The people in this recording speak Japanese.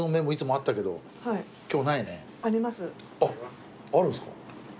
あっあるんですか。